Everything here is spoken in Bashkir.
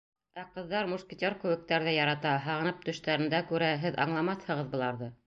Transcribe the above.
Ә ҡыҙҙар мушкетер кеүектәрҙе ярата, һағынып төштәрендә күрә... һеҙ аңламаҫһығыҙ быларҙы...